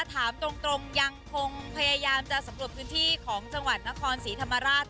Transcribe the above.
ถามตรงยังคงพยายามจะสำรวจพื้นที่ของจังหวัดนครศรีธรรมราช